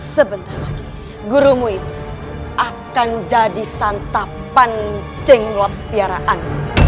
sebentar lagi gurumu itu akan jadi santapan jenglot piaraan